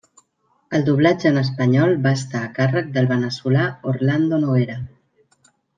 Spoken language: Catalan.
El doblatge en espanyol va estar a càrrec del veneçolà Orlando Noguera.